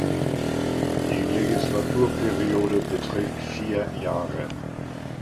Die Legislaturperiode beträgt vier Jahre.